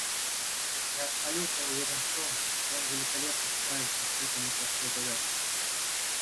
Я абсолютно уверен в том, что он великолепно справится с этой непростой задачей.